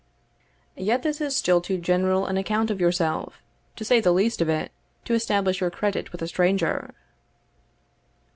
"Yet this is still too general an account of yourself, to say the least of it, to establish your credit with a stranger."